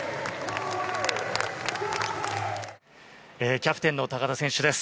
キャプテンの高田選手です。